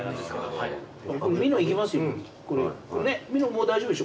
もう大丈夫でしょこれ。